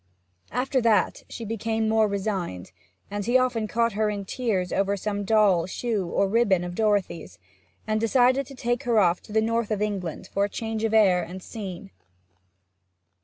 After that she became more resigned, but he often caught her in tears over some doll, shoe, or ribbon of Dorothy's, and decided to take her to the North of England for change of air and scene.